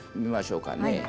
みましょうかね。